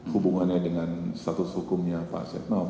hubungannya dengan status hukumnya pak setnov